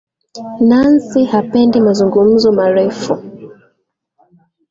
Nancy hapendi mazungumzo marefu